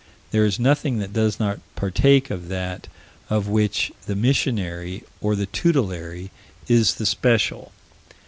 There is nothing that does not partake of that of which the missionary, or the tutelary, is the special.